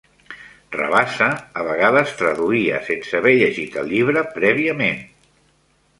Rabassa a vegades traduïa sense haver llegit el llibre prèviament.